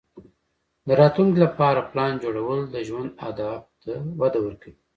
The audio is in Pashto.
د راتلونکې لپاره پلان جوړول د ژوند اهدافو ته وده ورکوي.